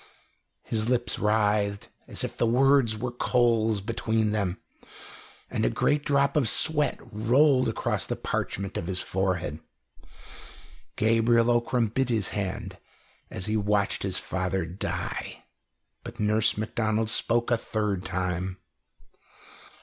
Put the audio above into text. His lips writhed, as if the words were coals between them, and a great drop of sweat rolled across the parchment of his forehead. Gabriel Ockram bit his hand as he watched his father die. But Nurse Macdonald spoke a third time.